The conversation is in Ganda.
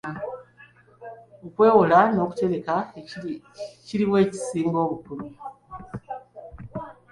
Okwewola n'okutereka, kiri wa ekisinga obukulu?